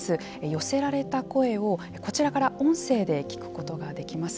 寄せられた声を、こちらから音声で聞くことができます。